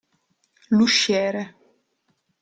L'usciere.